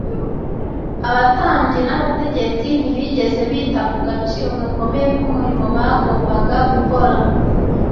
abatambyi n’abategetsi ntibigeze bita ku gaciro gakomeye k’umurimo bagombaga gukora